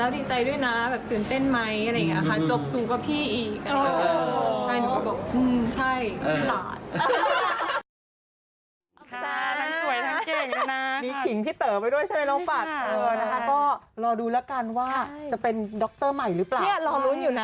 ดีใจค่ะพี่เขาก็บอกดีใจด้วยนะตื่นเต้นมั้ย